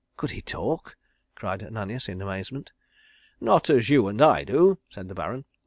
"Could he talk?" cried Ananias in amazement. "Not as you and I do," said the Baron.